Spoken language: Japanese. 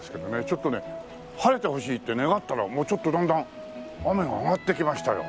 ちょっとね晴れてほしいって願ったらもうちょっとだんだん雨が上がってきましたよ。